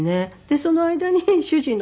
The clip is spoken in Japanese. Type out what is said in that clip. その間に主人の方の